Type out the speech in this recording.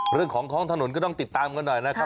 เรื่องของท้องถนนก็ต้องติดตามกันหน่อยนะครับ